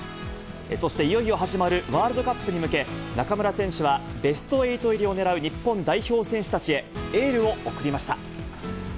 そしていよいよ始まるワールドカップに向け、中村選手はベスト８入りをねらう日本代表選手たちへエールを送りました。